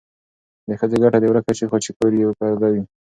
د ښځې ګټه دې ورکه شي خو چې کور یې پرده وي.